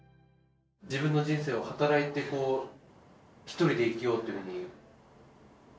自分の人生を働いてひとりで生きようというふうに。